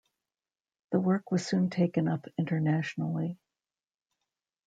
The work was soon taken up internationally.